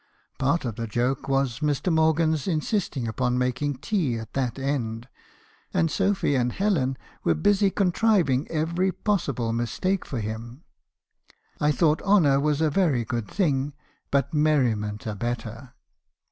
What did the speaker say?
Part of the joke was Mr. Morgan's insisting upon making tea at that end; and Sophy and Helen were busy contriving every possible mistake for him. I thought honour was a very good thing, but merriment abetter.